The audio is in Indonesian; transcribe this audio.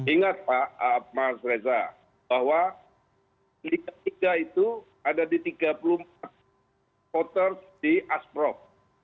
ingat pak mas reza bahwa liga tiga itu ada di tiga puluh empat voters di asprof